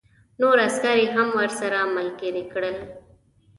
نور عسکر یې هم ورسره ملګري کړل